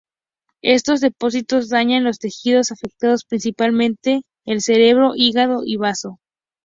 Estos depósitos dañan los tejidos afectados, principalmente el cerebro, hígado y bazo.